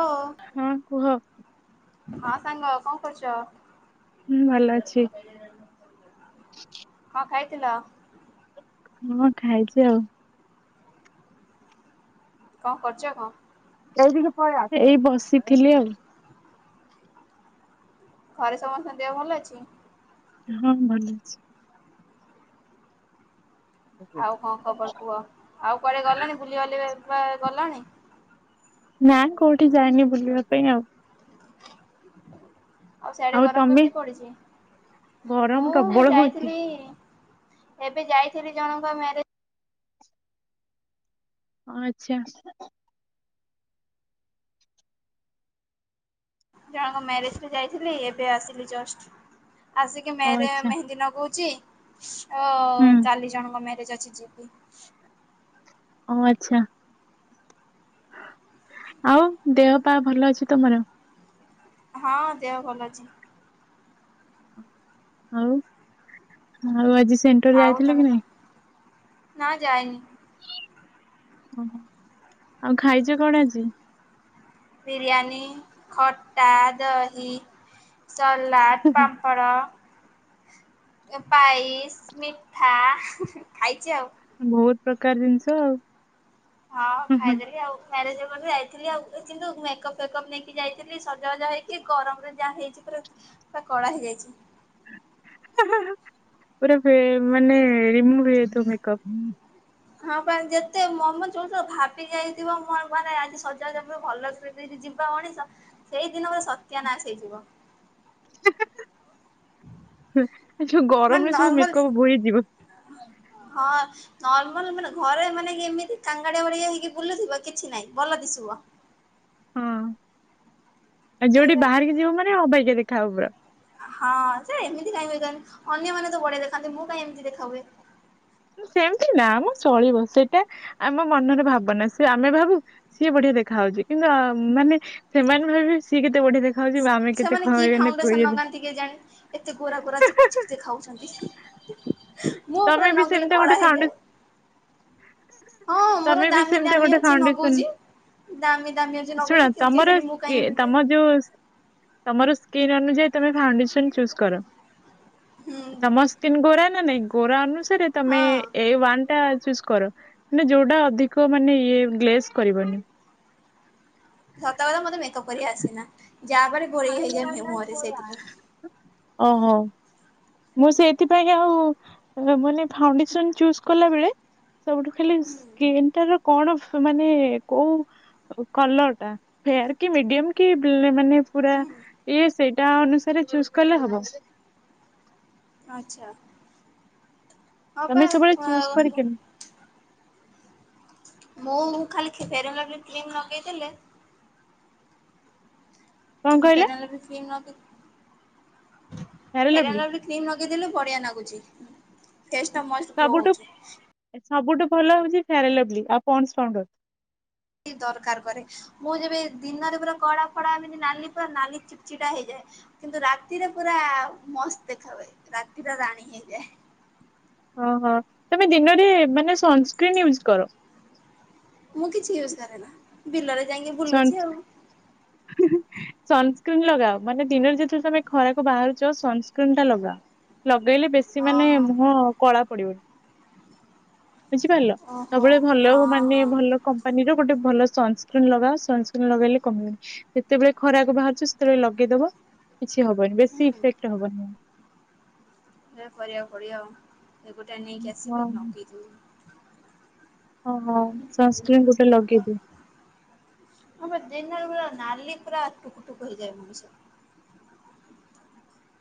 ଓ। ହଁ କୁହ। ହଁ ସାଙ୍ଗ କଣ କରୁଚ? ହୁଁ ଭଲ ଅଛି କଣ ଖାଇଥିଲ? ହଁ ଖାଇଚି ଆଉ। କଣ କରୁଚ କଣ? ଏଇ ବସିଥିଲି ଆଉ। ଘରେ ସମସ୍ତଙ୍କ ଦେହ ଭଲ ଅଛି? ହଁ ଭଲ ଅଛି। ଆଉ କଁ ଖବର କୁହ ଆଉ କୁଆଡେ ଗଲାଣି ବୁଲିିବାଲି ବା ବା ଗଲଣି? ନା କୋଉଠି ଯାଇନି ବୁଲିବା ପାଇଁ ଆଉ। ଆଉ ସ୍ୟାଡେ ଗରମ କେମିତି ପଡିଚି ଗରମ ମୁଁ ପ୍ରବଳ ହଉଛି ଯାଇଥିଲି ଏବେ ଯାଇଥିଲି ଜଣଙ୍କ ମ୍ୟାରେଜ। ହ ଆଛା। ଜଣଙ୍କ ମ୍ୟାରେଜ ରେ ଯାଇଥିଲି ଏବେ ଆସିଲି ଜଷ୍ଟ। ଆସିକି ଅ ମ୍ୟାରେ ଆଚ୍ଛା ମେହେନ୍ଦୀ ନଗଉଛି ଓ ହୁଁ କାଲି ଜଣଙ୍କ ମ୍ୟାରେଜ ଅଛି ଯିବି। ଓହୋ ଆଛା। ଆଉ ଦେହ ପା ଭଲ ଅଛି ତମର ହଁ ଦେହ ଭଲ ଅଛି। ଆଉ ଆଉ ଆଜି ଶୁ ଆଉ ତମେ ତ ନା ଜାଇନି। ଓହୋ ଆଉ ଖାଇଚ କଣ ଆଜି? ବିରିୟାନୀ ଖଟା ଦହି ସଲାଦ ପାମ୍ ମ୍ପଡ ଏ ପାଇସ୍ ମିଠା ଖାଇଚି ଆଉ। ବୋହୁତ ପ୍ରକାର ଜିନିଷ ଆଉ। ହଁ ହୁଁ ଖାଇଦେଲିି ଆଉ। ମ୍ୟାରେଜ ଯାଇଥିଲି ଆଉ କିନ୍ତୁ ମେକଅପ୍ ଫେକଅପ୍ ନେଇକି ଯାଇଥିଲି ସଜବାଜ ହେକି ଗରମରେ ଯାହା ହେଇଛି ପୁରା ପୁରା କଳା ହେଇଯାଇଚି। ପୁରା ପେ ମାନେ ରିମୁଭ ହେଇ ଯାଇଥିବ ମେକପ। ହଁ ପା ଯେତେ ମମ ଯୋଉ ଭାବି ଯାଇଥିବ ମୁଁ ଆକୁ ମାନେ ଆଜି ସଜାବ ହେବି ଭଲସେ। ଯଦି ଯିବ ମଣିଷ ସେଇଦିନ ମ ସତ୍ୟାନାଶ ହେଇଯିବ। ଯୋଉ ମାନେ ଗରମରେ ସବୁ ନର୍ମାଲ ମେକଅପ୍ ବୋହିଯିବ। ହଁ। ନର୍ମାଲ ମାନେ ଘରେ ମାନେ ଏମିତି କାଙ୍ଗାଳିଆ ଭଳିଆ ହେଇକି ବୁଲୁଥିବ କିଛି ନାଇଁ ଭଲ ଦିଶିବ। ହଁ ଆଉ ଯୋଉଠି ସେଇବା ବାହାରିକି ଯିବୁ ମାନେ ଅବଗିଆ ଦେଖାହବୁ ପୁରା। ହଁ ଯେ ଏମିତି କାଇହିଁ ହୁଏ କେଆଣି ଅନ୍ୟମାନେ ତ ବଢିଆ ଦେଖାନ୍ତି ମୁଁ କାଇଁ ଏମିତି ଦେଖା ହୁଏ? ସେମତି ନା ଆମ ଚଳିବ ସେଇଟା ଆମ ମନର ଭାବନା ସେ ଆମେ ଭାବୁ ସିଏ ବଢିଆ ଦେଖାହାଉଚି କିନ୍ତୁ ମାନେ ସେମାନେ ଭାବିବେ ସିଏ କେତେ ବଢିଆ ଦେଖା ସେମାନେ କି ଫାଉଣ୍ଡେସନ ଲଗାନ୍ତି କେଜାଣି? ଏତେ ଗୋରା ଗୋରା ଚିକି ଚିକି ଦେଖାଉଛନ୍ତି ମୁଁ ତମେ ପୁରା ବି ନଗେଇଲେ ସେମିତି ଗୋଟେ କଳା ଫାଉଣ୍ଡେ ହେଇଯାଏ। ହଁ ମୋର ତମେ ବି ଦାମୀ ସେମିତି ଦାମୀ ଗୋଟେ ଅଛି ନଗଉଛି। ଦାମୀ ଦାମୀ ଅଛି ଫାଉଣ୍ଡେସନ ଶୁଣ ନଗଉଛି ତମର କେଜାଣି ମୁଁ କାହିଁ କିଏ ଏମିତି ତମ ଯୋଉ ତମର ସ୍କିନ ଅନୁଯାୟୀ ତମେ ଫାଉଣ୍ଡେସନ ଚୁଜ କର ହୁଁ ତମ ତିନ ଗୋରା ନା ନାଇଁ ଗୋରା ଅନୁସାରେ ତମେ ହଁ। ଏୱାନ୍ ଟା ଚୁଜ କର। ମାନେ ଯୋଉଟା ଅଧିକ ମାନେ ଇଏ ଗ୍ଲେସ୍ କରିବନି। ସତକଥା ମତେ ମେକଅପ୍ କରି ଆସେନା ଯାହା ପାରେ ଘୋରିଇ ହେଇଯାଏ ଏମତି ମୁହଁରେ ସେଇଥିପାଇଁ। ଓହୋ। ମୁଁ ସେଥିପାଇଁ ଆଉ ମାନେ ଫାଉଣ୍ଡେସନ ଚୁଜ କଲା ବେଳେ ସବୁଠୁ ଖାଲି ହୁଁ ସ୍କିନ୍ ଟାର କଣ ମାନେ କୋଉ କଲର ଟା ଫେୟାର କି ମିଡିଅମ କି ବିଲି ମାନେ ପୁରା ଇଏ ସେଇଟା ଅନୁସାରେ ଚୁଜ କଲେ ହବ। ଆଛା ହ ତମେ ପା ସବୁବେଳେ ଚୁଜ [unintelligible] କରିକେନି ମୁଁ ଖାଲି କି ଫେରା ଲବଲି କ୍ରିମ ଲଗେଇ ଦେଲେ କଣ କହିଲ ଫେରାନଲବଲି କ୍ରିମ୍‌ ନଗେ ଫେୟାର ଫେରାନ ଲଭଲି ଲବଲି କ୍ରିମ ଲଗେଇଦେଲେ ବଢିଆ ଲାଗୁଚି। ଫେସଟା ମାସ୍ତ ଗ୍ଲୁ ସବୁଠୁ ହଉଛି। ସବୁଠୁ ଭଲ ହଉଛି ଫେୟାରା ଲବଲି ଆଉ ପାଣ୍ଡ୍ସ ପାଓଡର। ଦରକାର କରେ। ମୁଁ ଯେବେ ଦିନରେ ପୁରା କଳା ଫଡା ଏମିତି ନାଲି ପୁରା ନାଲି ଚିଡ଼ ଚିଡା ହେଇଯାଏ। କିନ୍ତୁ ରାତିରେ ପୁରା ମସ୍ତ ଦେଖା ହୁଏ ରାତିରେ ରାଣୀ ହେଇଯାଏ। ଓହଁ ତମେ ଦିନରେ ମାନେ ସନସ୍କ୍ରିନ୍ ୟୁଜ କର। ମୁଁ କିଛି ୟୁଜ କରେ ନା ବିଲରେ ଯାଇଁକି ବୁଲୁଛି ଆଉ। ହୁଁ ହୁଁ। ସନସ୍କ୍ରିନ୍ ଲଗାଅ ମାନେ ଦିନରେ ଯେତେବେଳେ ତମେ ଖରାକୁ ବାହାରୁଛ ସନ୍ସ୍କ୍ରିନ ଟା ଲଗାଅ। ଲଗେଇଲେ ବେଶୀ ମାନେ ଓହୋ ମୁହଁ କଳା ପଡିବନି। ବୁଝିପାରିଲ ଓହୋ ସବୁବେଳେ ଭଲ ହଁ ମାନେ ହଁ ଭଲ କମ୍ପାନୀ ର ଗୋଟେ ଭଲ ସନ୍ସ୍କ୍ରିିନ ଲଗା ସନ୍ସ୍କ୍ରିିନ ଲଗେଇଲେ କମନି ଯେତେବେଳେ ଖରାକୁ ବାହାରୁଛ ସ ଯେତେବେଳେ ଲଗେଇଦବ କିଛି ହବନି ହୁଁ। ବେଶୀ ଇଫେକ୍ଟ ହବନି। ଏରା କରିବାକୁ ପଡିବ ଆଉ ଗୋଟାଏ ନେଇକି ଆସିବି ନଗେଇଥିବି ହଁ ହଁ ସନ୍ସ୍କ୍ରିନ୍ ଗୋଟେ ଲଗେଇ ଦିଅ। ଆମର ଦିନରେ ପୁରା ନାଲି ପୁରା ଟୁକୁ ଟୁକୁ ହେଇଯାଏ ମଣିଷ।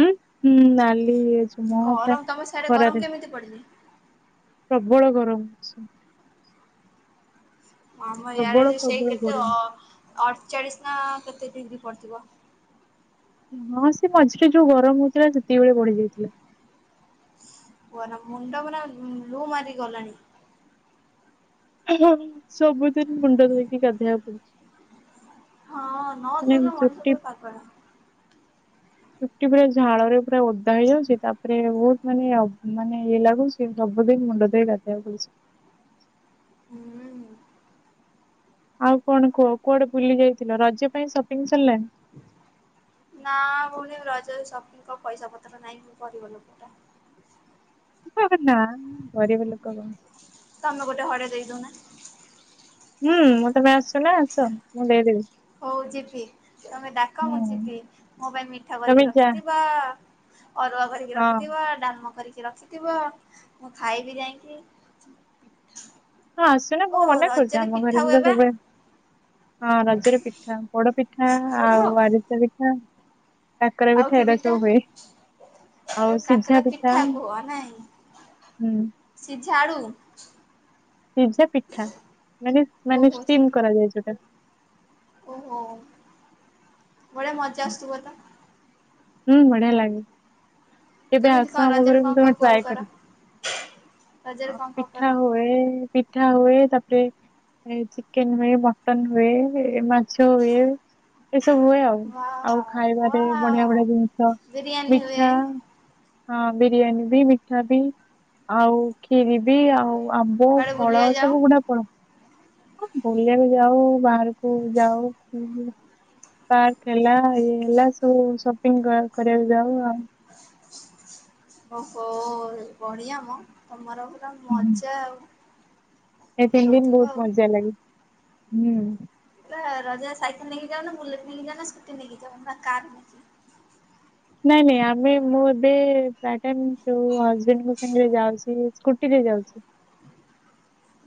ହୁଁ ହୁଁ ନାଲି ଏଛି ଗରମ ତମ ସିଆଡ଼େ ଗରମ କେମିତି ପଡିଲି ପ୍ରବଳ ଗରମ। ଆମ ପ୍ରବଳ ଇୟାରେ ଯେ ସେଇ ପ୍ରବଳ କେତେ ଗରମ। ଅ ଅଠଚାଳିଶ ନା କେତେ ଡିଗ୍ରୀ ପଡିଥିବ। ହଁ ସେ ମଝିରେ ଯୋଉ ଗରମ ହଉଥିଲା ସେତିକିବେଳେ ବଢି ଯାଇଥିଲା। ଗରମ ମୁଣ୍ଡ ମାନେ ଲୁ ମାରି ଗଲାଣି। ହ ସବୁଦିନ ମୁଣ୍ଡ ଧୋଇକି ଗାଧେଇଆକୁ ପଡୁଛି। ହଁ। ନ ନେମ ଧୋଇଲେ ମଣିଷ ଚୁଟିପ୍ ପୁରା ପାଗଳା। ଚୁଟି ପୁରା ଝାଳ ରେ ପୁରା ଓଦା ହେଇଯାଉଚି ତାପରେ ବହୁତ ମାନେ ମାନେ ଇଏ ଲାଗୁ ସେ ସବୁ ଦିନ୍ ମୁଣ୍ଡ ଧୋଇ ଗାଧେଇବାକୁ ପଡୁଛି। ହୁଁ ହୁଁ। ଆଉ କଣ କୁହ କୁଆଡେ ବୁଲି ଯାଇଥିଲ ରଜ ପାଇଁ ସପିଙ୍ଗ ସଲାଣି ନା ଭଉଣି ରଜ ସପିଙ୍ଗ କ ପଇସା ପତ୍ର ନାହିଁ ମୁଁ ଗରିବ ଲୋକଟା। ନା ଗରିବ ଲୋକ କ ତମେ ଗୋଟେ ହରେ ଦେଇଦଉନା। ହୁଁ ମୁଁ ତ ପାଇଁ ଆସୁଚ ନା ଆସ ମୁଁ ଦେଇଦେବି। ହଉ ଯିବି ତମେ ଡାକ ମୁଁ ହୁଁ ଯିବି ମୋ ପାଇଁ ମିଠା ତମେ କରିକି ଯା ରଖିଥିବ ଅରୁଆ କରିକି ହଁ ରଖିଥିବ ତାଲାମା କରିକି ରଖିଥିବ ମୁଁ ଖାଇବି ଯାଇଁକି। ହଁ ଆସୁନ ଓ ମୁଁ ମନା କରୁଚି ରଜରେ ଆମ ପିଠା ଘରେ ହୁଏ ବି ବା ତ [unintelligible] ହଁ ରଜରେ ପିଠା ପୋଡ ପିଠା ଆଉ ଆରିସା ପିଠା। କାକେରା ଆଉ ପିଠା କି ଏରା ସବୁ ହୁଏ। ଆଉ ଏ ସିଝା କାକରା ପିଠା ହୁଁ। ସେ ଝାଡୁ ସିଜା ପିଠା ମାନେ ମାନେ ଓହୋ ସେ ଷ୍ଟିମ୍ କରାଯାଏ ଯଉଟା। ଓହୋ ବଢ଼ିଆ ମଜା ଆସଥୁବ ତ। ହୁଁ ବଢିଆ ଲାଗେ କେବେ କେମିତି ଆସ କଣ ରଜରେ ଆମଘରକୁ କଣ ତମେ କଣ କୁଆଡ଼େ ଟ୍ରାଏ କର କରି ରଜରେ ଅ କଣ କଣ ପିଠା କର ହୁଏ ପିଠା ହୁଏ ତାପରେ ଏ ଚିକେନ ହୁଏ ମଟନ ହୁଏ ମାଛ ହୁଏ ଏସବୁ ହୁଏ ଆଉ। ଆଉ ୱାଓ ଖାଇବାରେ ବଢିଆ ୱାଓ ବଢିଆ ଜିନିଷ ବିରିୟାନୀ ହୁଏ ମିଠା ହଁ ବିରିୟାନୀ ବି ମିଠା ବି ଆଉ ଖିରୀ ବି ଆଉ ଆମ୍ ଉ କୁଆଡ଼େ ଫଳ ବୁଲିବା ଯାଉ ସବୁ ଗୁଡା ପଳ ହଁ ବୁଲିବାକୁ ଯାଉ ବାହାରକୁ ଯାଉ ଏମିତି ପାର୍କ ହେଲା ଇଏ ହେଲା ସବୁ ସପିଙ୍ଗ କ କରିବାକୁ ଯାଉ ଆଉ। ଓହୋ ବଢିଆ ମ ତମର। [inaudible] ହୁଁ ମଜା ଆଉ। ଏ ତିନି ଦିନ ଉଠଉଥିବ ଆଉ ବହୁତ ମଜା ଲାଗେ ହୁଁ। ପୂରା ରଜରେ ସାଇକେଲ ନେଇକି ଯାଉ ନା ବୁଲେଟ ନେଇକି ଯାଉ ନା ସ୍କୁଟି ନେଇକି ଯାଉ ନା କାର ନେକି ନାଇଁ ନାଇଁ ଆମେ ମୁଁ ଏବେ ପାଟେନ୍ ଯୋଉ ହଜବେଣ୍ଡଙ୍କ ସାଙ୍ଗରେ ଯାଉଛି ସ୍କୁଟିରେ ଯାଉଛି।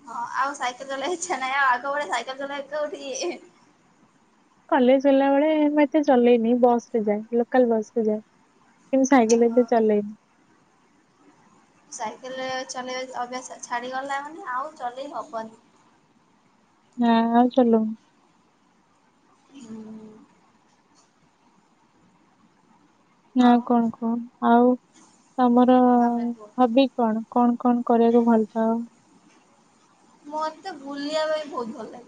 ହଁ ଆଉ ସାଇକେଲ ଚଲେଇବା ଇଚ୍ଛା ନାହିଁ ଆଗୋ ଭଳିଆ ସାଇକେଲ ଚଲେଇବା କୋଉଠି ଇଏ କଲେଜ ଗଲା ବେଳେ ମୁଁ ଏତେ ଚଲେଇନି ବସ ରେ ଯାଏ ଲୋକାଲ ବସରେ ଯାଏ। କିନ୍ତୁ ସାାଇକେଲ ଏତେ ଓହୋ ଚଲେଇନି। ସାଇକେଲରେ ଚଲେଇ ଅଭ୍ୟାସ ସ ଛାଡ଼ିଗଲା ମାନେ ଆଉ ଚଲେଇ ହବନି। ନା ଆଉ ଚଲଉନି। ହୁଁ। ନାଁ ଆଉ କଣ କୁହ ଆଉ ତମର ତମେ କୁହ? ହବି କଣ କଣ କଣ କରିବାକୁ ଭଲ ପାଅ। ମତେ ବୁଲିବା ପାଇଁ ବହୁତ ଭଲ ଲାଗେ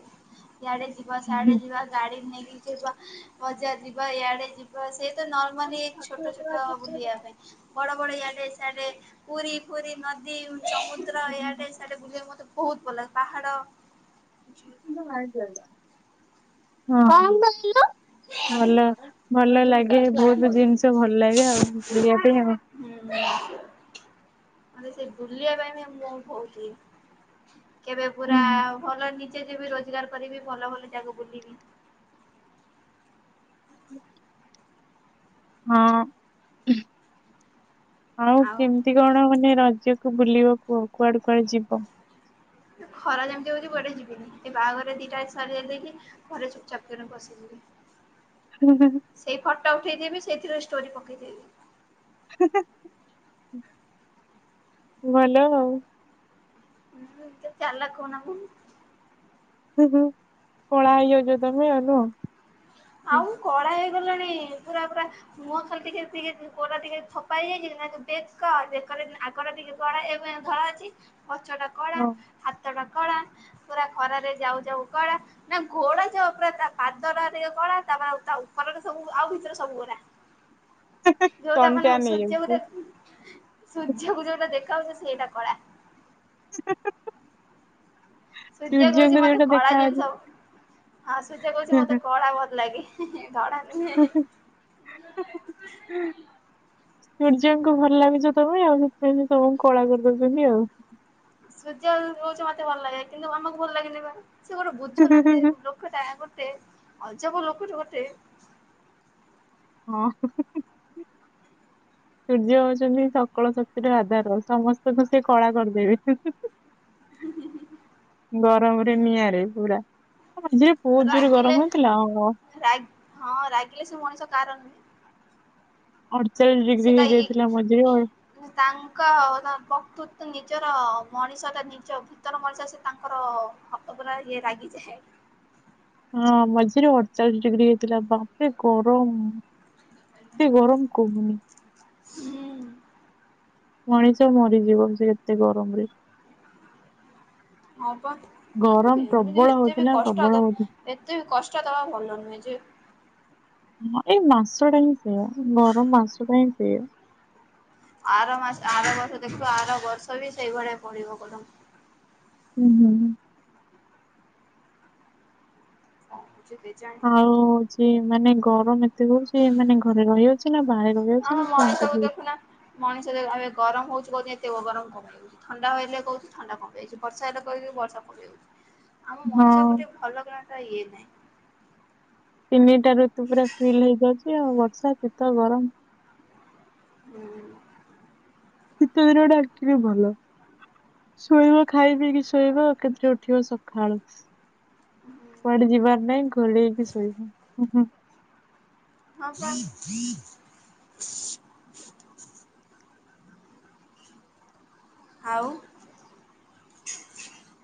ଇଆଡେ ଯିବା ହୁଁ, ସିଆଡେ ଯିବା ଗାଡି ନେଇକି ଯିବା। ବଜାର ଯିବା ଇଆଡେ ଯିବା ସେଇ ତ ନର୍ମାଲି ଛୋଟ ଛୋଟ ବୁଲିବା ପାଇଁ। ବଡ ବଡ ୟାଡେ ସ୍ୟାଡେ ପୁରୀ ଫୁରୀ ନଦୀ ସମୁଦ୍ର ଇଆଡେ ସିଆଡେ ବୁଲିବାକୁ ମତେ ବହୁତ ଭଲ ଲାଗେ ପାହାଡ [inaudible] ହଁ [inaudible] ଭଲ ଭଲ ଲାଗେ ବହୁତ ଜିନିଷ ଭଲ ଲାଗେ ଆଉ ବୁଲିବା ପାଇଁ ଆଉ। ହୁଁ ମାନେ ସେ ବୁଲିବା ପାଇଁ ବି ମୁଁ କ କହୁଛି। କେବେ ପୁରା ହୁଁ ଭଲ ନିଜେ ଯେବେ ରୋଜଗାର କରିବି ଭଲ ଭଲ ଜାଗା ବୁଲିବି। [inaudible] ହଁ ଆଉ କେମତି କଣ ମାନେ ରଜକୁ ବୁଲିବ କୁହ କୁଆଡେ କୁଆଡେ ଯିବ। ଖରା ଯେମିତି ହୋଉଚି କ୍ଵାଡେ ଯିବିନି ଏ ବାହାଘର ରେ ଦିଟା [unintelligible] ଦେଇକି ଘରେ ଚୁପ୍ ଚାପ୍ କିରି ବସିିଯିବି। ହୁଁ ହୁଁ। ସେଇ ଫଟୋ ଉଠେଇଦେବି ସେଇଥିରେ ଷ୍ଟୋରି ପକେଇଦେବି। ଭଲ ଆଉ। ହୁଁ ସେ ଚାଲାକ୍ ହୁଅନା କୁ ହୁ ହୁ କଳା ହେଇଯାଉଛ ତମେ ଆଉ ନୁହଁ। ଆଉ କଳା ହେଇଗଲାଣି ପୁରା ପୁରା ମୁହଁ ଖାଲି ଟିକେ ଟିକେ ପୋଟା ଟିକେ ଥପା ହେଇଯାଇଛି [unintelligible] ଧଳା ଅଛି। ପଛ ଟା କଳା। ହଁ ହାତ ଟା କଳା ପୁରା ଖରାରେ ଯାଉ ଯାଉ କଳା ନା ଘୋଡ଼ା ଯାାଉ ପୁରା ତା ପାଦରା ଟିକେ କଳା ତାପରେ ଆଉ ତା ଉପରେ ସବୁ ଆଉ ଭିତରେ ସବୁ ଗୋରା। ଯୋଉଟା ସନ୍ ମାନେ ଓ ଟ୍ୟାନ୍ ସୂର୍ଯ୍ୟକୁ ହେଇଯାଉଛି ଦେ ସୂର୍ଯ୍ୟକୁ ଯୋଉଟା ଦେଖାହଉଚି ସେଇଟା କଳା। [unintelligible] ସୂର୍ଯ୍ୟ କହୁଛି ସୂର୍ଯ୍ୟଙ୍କ ମତେ ଦିଟା କଳା ଦେଖାଯାଉଛି। ଜିନିଷ ଭ ହଁ ସୂର୍ଯ୍ୟ କହୁଛି ମତେ କଳା ଭଲ ଲାଗେ। ଧଳା ନୁହେଁ ହ ହଁ ସୂର୍ଯ୍ୟଙ୍କୁ ଭଲ ଲାଗିଛ ତମେ ଆଉ ସେଥିପାଇଁ ତମକୁ କଳା କରିଦଉଛନ୍ତି ଆଉ। ସୂର୍ଯ୍ୟ ରହୁଛି ମତେ ଭଲ ଲାଗେ କିନ୍ତୁ ଆମକୁ ଭଲ ଲାଗନେ ବା ସେ ଗୋଟେ ବୁଝୁନାହାନ୍ତି ଲୋକଟା ଗୋଟେ ଅଜବ ଲୋକଟା ଗୋଟେ ହଁ ସୂର୍ଯ୍ୟ ହଉଛନ୍ତି ସକଳ ଶକ୍ତି। ଶକ୍ତିର ଆଧାର ସମସ୍ତଙ୍କୁ ସେ କଳା କରିଦେବେ। ହୁଁ ହଁ ହଁ ଗରମରେ ନିଆଁରେ ପୁରା ଝିରେ ରାଗିଲେ ରା ହଁ ରାଗିଲେ ସେ ମଣିଷ କାହାର ନୁହେଁ। ଅଡଚାଳିଶ ସେ ଡିଗ୍ରୀ ତା ଇ ହେଇଯାଇଥିଲା ମଝିରେ। ତାଙ୍କ ବକ୍ତୃତ ନିଜର ମଣିଷ ଟା ଭିତର ମଣିଷ ସେ ତାଙ୍କର ହାତ ପୁର ଇଏ ରାଗିଯାଏ। ହଁ ମଝିରେ ଅଠଚାଳିଶ ଡିଗ୍ରୀ ହେଇଥିଲା ବାପରେ ଗରମ। ଏତେ ଗରମ କୁହ। ହୁଁ ମଣିଷ ମରିଯିବ ଆଜି ଏତେ ଗରମରେ। ହଁ ପା ଗରମ ପ୍ରବଳ ହେତ ବି ହଉଥିଲା କଷ୍ଟ ପ୍ରବଳ ଅଦ ହଉଥିଲା ଏତେ କଷ୍ଟ ଦବା ଭଲ ନୁହେଁ ଯେ ହଁ ଏଇ ମାସ ଟା ହିଁ ସେୟା ଗରମ ମାସ ଟା ହିଁ ସେଆ। ଆର ମାସ ଆର ବର୍ଷ ଦେଖିବୁ ଆର ବର୍ଷ ବି ସେଇଭଳିଆ ପଡିବ କଣ। ହୁଁ ହୁଁ ହୁଁ। ଯବେ ଜା [unintelligible] ଆଉ ସିଏ ମାନେ ଗରମ ଏତେ ହଉଚି ମାନେ ଘରେ ରହିହଉନି। ନା ବାହାରେ ରହି ଆମ ଯାଉଛି ନା କଣ ମଣିଷକୁ କରିବୁ। ଦେଖୁନା ମଣିଷ ଏବେ ଗରମ ହଉଛି କହୁଚି ଏତେ ଗରମ କଣ। ଥଣ୍ଡା ହେଲେ କହୁଛି ଥଣ୍ଡା ପକେଇଚି ବର୍ଷାହେଲେ କହୁଚି ବର୍ଷା ପକେଇଚି। [inaudible] ଆମ ମଣିଷ ହଁ ଗୋଟେ ଭଲ କଣ ଟା ଇଏ ନାହିଁ। ତିନିଟା ଋତୁ ପୁରା ଫିଲ୍ ହେଇଯାଉଛି ଆଉ ବର୍ଷା ଶୀତ ଗରମ। ହୁଁ [inaudible] ଶୀତ ଦିନଟା ଆକଚୁଲି ଭଲ। ଶୋଇବ ଖାଇ ପିଇ କିି ଶୋଇବ ଏକାଥରକେ ଉଠିବ ସକାଳୁ। କୁଆଡେ ଯିବାର ନାଇଁ ଘୋଡେଇକି ଶୋଇବ। ହଁ ପା [unintelligible] ଆଉ?